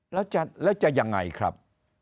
แล้วจะยังไงครับ